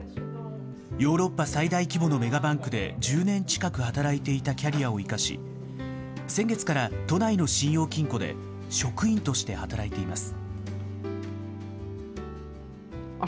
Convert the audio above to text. ヨーロッパ最大規模のメガバンクで１０年近く働いていたキャリアを生かし、先月から都内の信用金庫で職員として働いています。